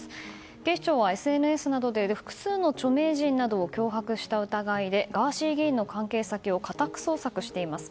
警視庁はＳＮＳなどで複数の著名人などを脅迫した疑いでガーシー議員の関係先を家宅捜索しています。